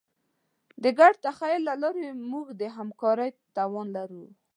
د ګډ تخیل له لارې موږ د همکارۍ توان لرو.